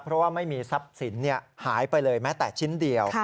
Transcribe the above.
เพราะว่าไม่มีทรัพย์สินหายไปเลยแม้แต่ชิ้นเดียว